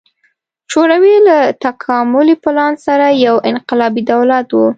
شوروي له تکاملي پلان سره یو انقلابي دولت و.